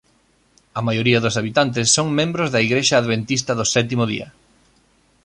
A maioría dos habitantes son membros da Igrexa Adventista do Sétimo Día.